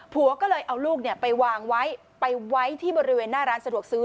ผัวก็เลยเอาลูกไปวางไว้ไปไว้ที่บริเวณหน้าร้านสะดวกซื้อ